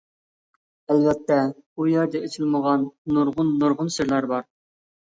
ئەلۋەتتە ئۇ يەردە ئېچىلمىغان نۇرغۇن نۇرغۇن سىرلار بار.